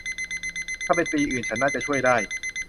ถ้าเป็นปีอื่นฉันน่าจะช่วยได้